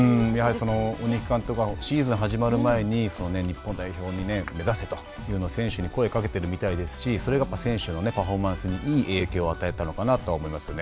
鬼木監督はシーズンが始まる前に日本代表に目指せと選手に声をかけているみたいですしそれが選手のパフォーマンスにいい影響を与えたのかなと思いますよね。